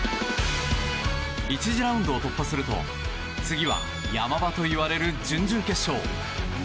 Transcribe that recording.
１次ラウンドを突破すると次は、山場といわれる準々決勝。